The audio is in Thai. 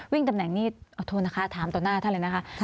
ตำแหน่งนี้ขอโทษนะคะถามต่อหน้าท่านเลยนะคะ